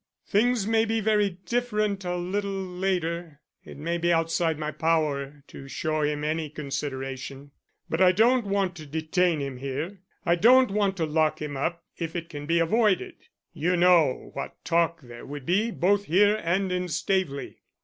Things may be very different a little later it may be outside my power to show him any consideration. But I don't want to detain him here I don't want to lock him up if it can be avoided. You know what talk there would be both here and in Staveley.